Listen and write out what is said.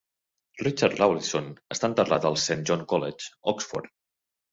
Richard Rawlinson està enterrat al Saint John's College, Oxford.